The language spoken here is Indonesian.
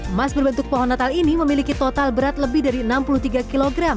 emas berbentuk pohon natal ini memiliki total berat lebih dari enam puluh tiga kg